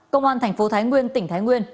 công an thành phố thái nguyên tỉnh thái nguyên